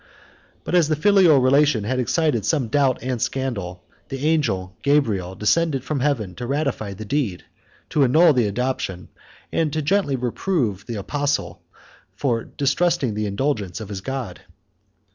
But as the filial relation had excited some doubt and scandal, the angel Gabriel descended from heaven to ratify the deed, to annul the adoption, and gently to reprove the apostle for distrusting the indulgence of his God.